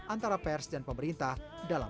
antara pers dan pemerintah dalam